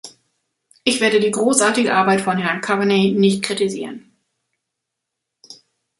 Ich werde die großartige Arbeit von Herrn Coveney nicht kritisieren.